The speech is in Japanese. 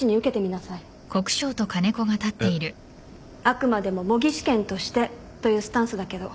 あくまでも模擬試験としてというスタンスだけど。